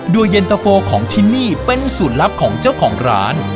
โดยเย็นตะโฟของที่นี่เป็นสูตรลับของเจ้าของร้าน